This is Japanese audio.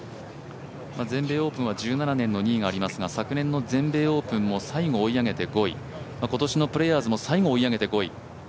全米オープンは１７年の２位がありますが昨年の全米オープンも最後追い上げて５位今年のプレーヤーズも最後追い上げて５位。